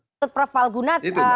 menurut prof falgunat